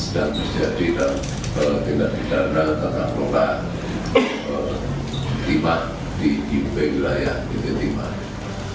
terus dua bidana yang sedang menjadi tindak bidana tentang roka timah di kubu wilayah timah